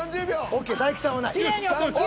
ＯＫ大吉さんはない。